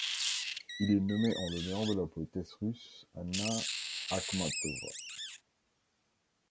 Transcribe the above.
Il est nommé en l'honneur de la poétesse russe Anna Akhmatova.